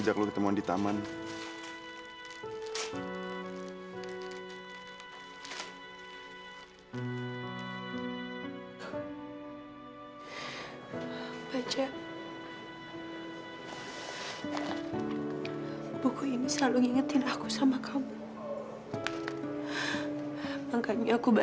sampai jumpa di video selanjutnya